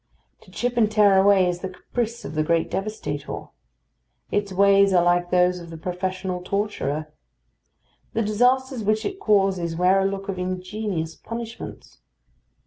To chip and tear away is the caprice of the great devastator. Its ways are like those of the professional torturer. The disasters which it causes wear a look of ingenious punishments.